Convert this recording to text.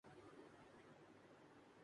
کچھ لوگ بہت زیادہ وقت ضائع کرتے ہیں